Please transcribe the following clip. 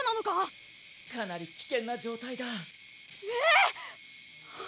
かなり危険な状態だ。